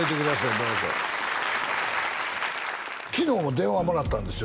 どうぞ昨日も電話もらったんですよ